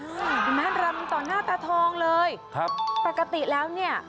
ดูนะรำต่อหน้าตาทองเลยปกติแล้วนี่ครับ